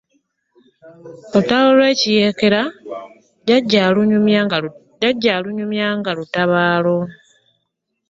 Olutalo lw'ekiyeekera jjajja alunyumya nga lutabaalo.